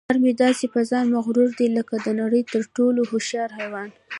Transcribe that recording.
خر مې داسې په ځان مغروره دی لکه د نړۍ تر ټولو هوښیار حیوان.